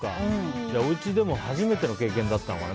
おうちでも初めての経験だったのかな。